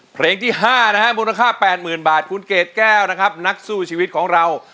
เพลงที่๕นะฮะมูลค่า๘๐๐๐บาทคุณเกดแก้วนะครับนักสู้ชีวิตของเรา